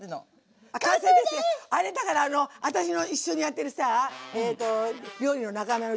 あれだからあの私の一緒にやってるさ料理の仲間うちの坊やがね